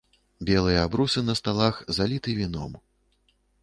Белыя абрусы на сталах заліты віном.